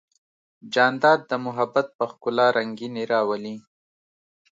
جانداد د محبت په ښکلا رنګینی راولي.